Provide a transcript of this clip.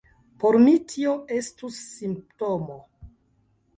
Por mi tio estus simptomo!